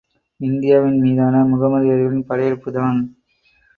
இந்தியாவின் மீதான முகமதியர்களின் படையெடுப்பு தான்